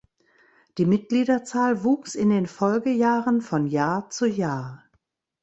Die Mitgliederzahl wuchs in den Folgejahren von Jahr zu Jahr.